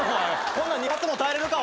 こんなん２発も耐えれるか。